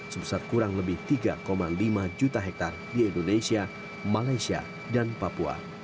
sebesar kurang lebih tiga lima juta hektare di indonesia malaysia dan papua